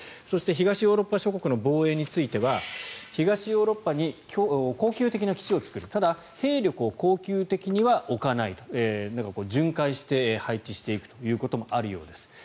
そして、東ヨーロッパ諸国の防衛については東ヨーロッパに恒久的な基地を作るただ、兵力を恒久的には置かないとだから循環して配置していくということもあるようです。